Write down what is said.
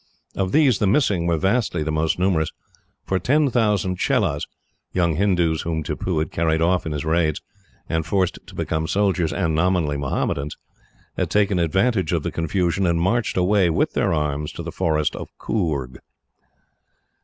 Of these, the missing were vastly the most numerous, for ten thousand Chelahs, young Hindoos whom Tippoo had carried off in his raids, and forced to become soldiers, and, nominally, Mohammedans, had taken advantage of the confusion, and marched away with their arms to the Forest of Coorg.